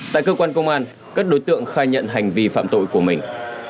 tại cơ quan công an các đối tượng khai nhận hành vi phạm tội của mình